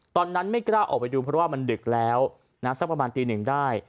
ตอนนั้นไม่กล้าออกไปดูเพราะว่ามันดึกแล้วนะสักประมาณตีหนึ่งได้